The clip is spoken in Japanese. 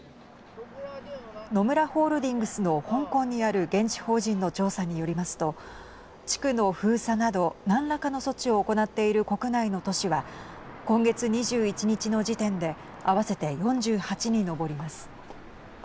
野村ホールディングスの香港にある現地法人の調査によりますと地区の封鎖など何らかの措置を行っている国内の都市は今月２１日の時点で合わせて４８に上ります。